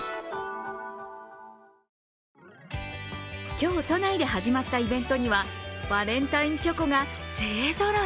今日都内で始まったイベントにはバレンタインチョコが勢ぞろい。